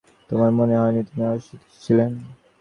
তোমার মনে হয়না তুমি অসতর্ক ছিলে?